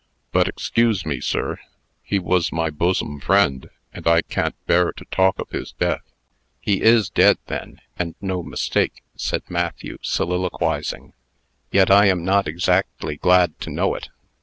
But 'xcuse me, sir; he was my bosom friend, and I can't bear to talk of his death." "He is dead, then, and no mistake," said Matthew, soliloquizing. "Yet I am not exactly glad to know it."